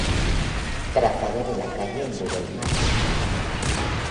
Trazado de la calle en Google Maps.